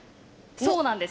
そうなんです。